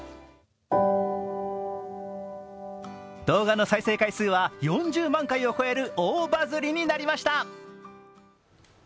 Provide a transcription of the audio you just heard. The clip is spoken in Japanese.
動画の再生回数は４０万回を超える大バズりになりました。